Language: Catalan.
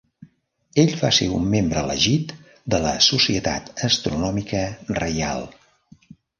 Ell va ser un membre elegit de la Societat Astronòmica Reial.